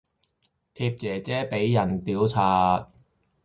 貼姐姐俾人屌柒